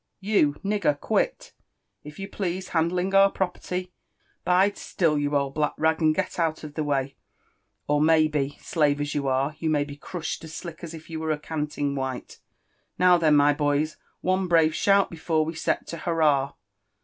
you nigger— quit, if you please, handling our pro perty ; bide still, you old black rag, and get out of the way— or may be, slave as you are, you may be crushed as sUck as if you were a canting white. — ^Now then, my boys I One braye shout before we set tcH^hurrah